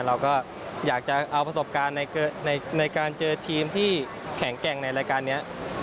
เราก็อยากจะเอาประสบการณ์ในการเจอทีมที่แข็งแกร่งในรายการนี้